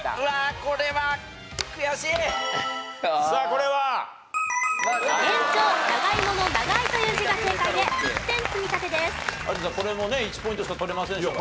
これもね１ポイントしか取れませんでした。